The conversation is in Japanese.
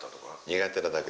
苦手なだけ。